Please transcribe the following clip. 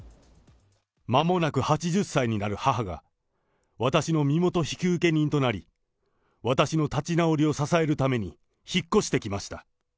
まもなく８０歳になる母が私の身元引受人となり、私の立ち直りを支えるために引っ越してきました。